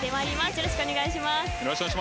よろしくお願いします。